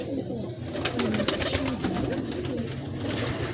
Fehment d acu i d-nniɣ?